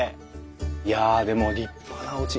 いやでも立派なおうち。